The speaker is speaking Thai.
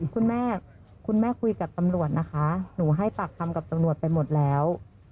คุณแม่คุณแม่คุยกับตำรวจนะคะหนูให้ปากคำกับตำรวจไปหมดแล้ว